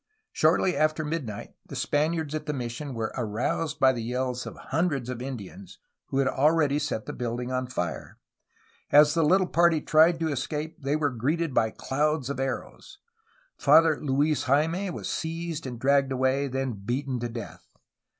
Shortly after midnight the Spaniards at the mission were aroused by the yells of hundreds of Indians, who had already set the building on fire. As the httle party tried to escape they were greeted by clouds of arrows. Father Luis Jayme was seized and dragged away, then beaten to death.